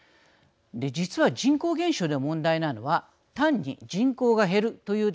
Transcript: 実は人口減少で問題なのは単に人口が減るというだけではありません。